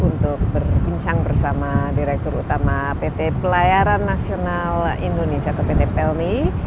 untuk berbincang bersama direktur utama pt pelayaran nasional indonesia atau pt pelni